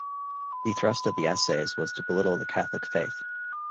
The thrust of the essays was to belittle the Catholic faith.